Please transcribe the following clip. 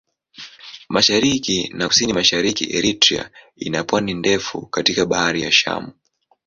Mashariki na Kusini-Mashariki Eritrea ina pwani ndefu katika Bahari ya Shamu.